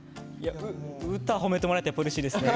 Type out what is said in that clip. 歌褒めてもらえて本当にうれしいですね